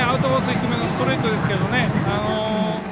低めのストレートですけどね。